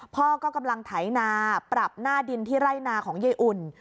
พ่อก็กำลังไถนาปรับหน้าดินที่ไร่นาของยายอุ่น